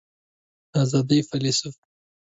د آزادۍ فیلیسوف